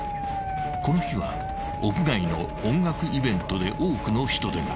［この日は屋外の音楽イベントで多くの人出が］